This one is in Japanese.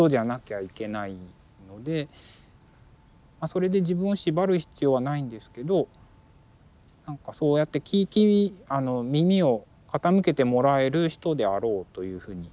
それで自分を縛る必要はないんですけど何かそうやって耳を傾けてもらえる人であろうというふうに思ってます。